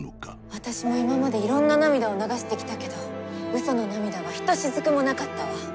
私も今までいろんな涙を流してきたけど嘘の涙はひとしずくもなかったわ。